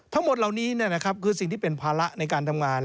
ทั้งหมดเหล่านี้คือสิ่งที่เป็นภาระในการทำงาน